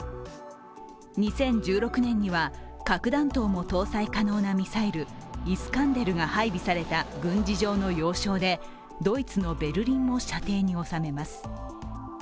２０１６年には核弾頭も搭載可能なミサイル、イスカンデルが配備された軍事上の要衝でドイツのベルリンも射程に収めます。